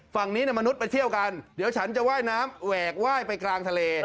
ฝั่งนี้มนุษย์ไปเที่ยวกันเดี๋ยวฉันจะว่ายน้ำแหวกไหว้ไปกลางทะเล